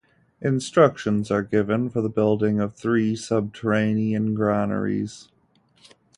Instructions are given for the building of three subterranean granaries.